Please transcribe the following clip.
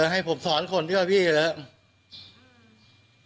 ให้ผมสอนคนที่ว่าพี่เหรอ